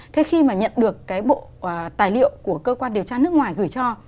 thế khi mà nhận được cái bộ tài liệu của cơ quan điều tra nước ngoài gửi cho